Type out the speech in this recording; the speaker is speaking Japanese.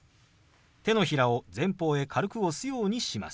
手のひらを前方へ軽く押すようにします。